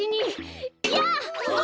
やあ！